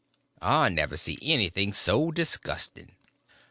I never see anything so disgusting.